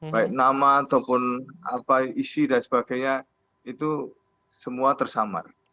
baik nama ataupun apa isi dan sebagainya itu semua tersamar